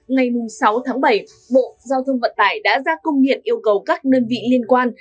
ngày sáu tháng bảy bộ giao thông vận tải đã ra công điện yêu cầu các đơn vị liên quan